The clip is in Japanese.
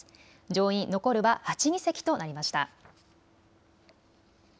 上院、残るは８議席となりました。